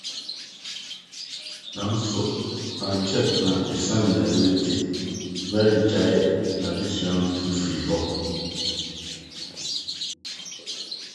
Nanso, ankyɛ na esiane yare nti Marie gyaee n’adesua no tu fii hɔ.